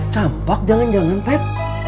campak jangan jangan pep